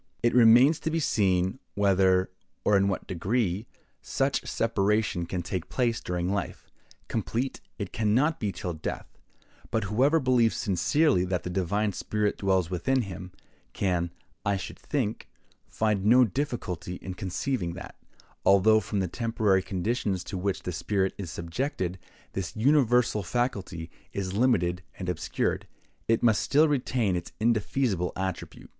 It remains to be seen whether, or in what degree, such separation can take place during life; complete it can not be till death; but whoever believes sincerely that the divine spirit dwells within him, can, I should think, find no difficulty in conceiving that, although from the temporary conditions to which that spirit is subjected, this universal faculty is limited and obscured, it must still retain its indefeasible attribute.